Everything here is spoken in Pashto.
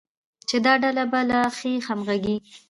چې دا ډله به د لا ښې همغږۍ،